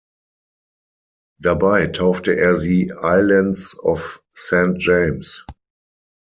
Dabei taufte er sie "Islands of Saint James".